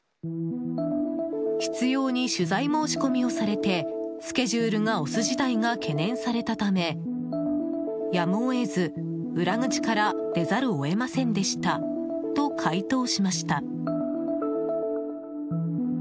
執拗に取材申し込みをされてスケジュールが押す事態が懸念されたため、やむを得ず裏口から出ざるを得ませんでしたと回答しました。